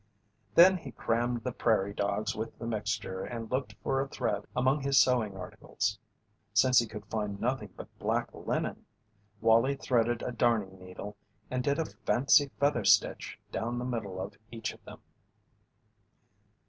Then he crammed the prairie dogs with the mixture and looked for a thread among his sewing articles. Since he could find nothing but black linen, Wallie threaded a darning needle and did a fancy "feather" stitch down the middle of each of them.